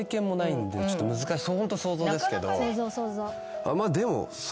ホント想像ですけどでも。